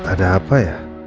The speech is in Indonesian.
ada apa ya